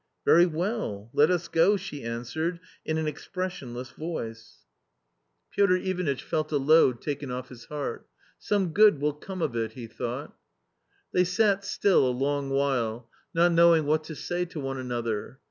" Very well ; let us go," she answered in an expressionless voice. 276 A COMMON STORY Piotr Ivanitch felt a load taken off his heart. "Some good will come of it," he thought. They sat still a long while, not knowing what to say to one another.